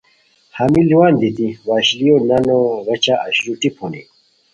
ہمی ُلوان دیتی وشلیو نانو غیچہ اشرو ٹیپ ہونی